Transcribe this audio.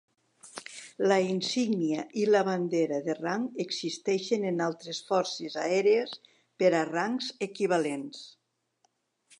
La insígnia i la bandera de rang existeixen en altres forces aèries per a rangs equivalents.